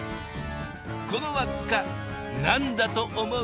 この輪っか何だと思う？